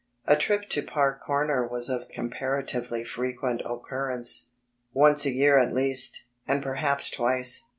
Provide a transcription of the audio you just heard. A trip to Park Comer was of comparatively frequent occur rence, once a year at least, and perhaps twice.